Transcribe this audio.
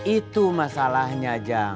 itu masalahnya jang